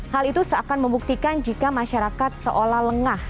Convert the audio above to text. hal itu seakan membuktikan jika masyarakat seolah lengah